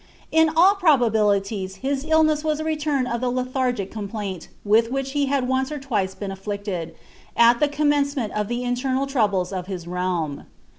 In all probability his illness was a return of Ihe i._. .,i._.^.... plaint with which he had once or twice been afllicted, ai itie coibikoc^ meni of the internal troubles of his realm.